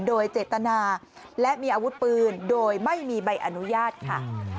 โดยเจตนาและมีอาวุธปืนโดยไม่มีใบอนุญาตค่ะ